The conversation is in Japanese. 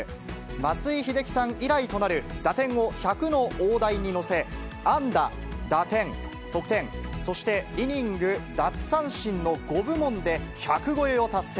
松井秀喜さん以来となる打点を１００の大台に乗せ、安打、打点、得点、そしてイニング、奪三振の５部門で１００超えを達成。